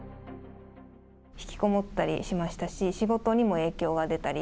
引きこもったりしましたし、仕事にも影響が出たり。